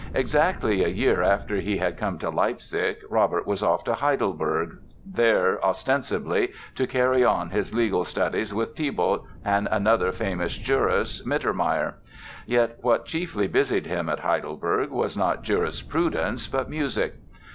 Exactly a year after he had come to Leipzig Robert was off to Heidelberg there, ostensibly, to carry on his legal studies with Thibaut and another famous jurist, Mittermeier. Yet what chiefly busied him at Heidelberg was not jurisprudence but music.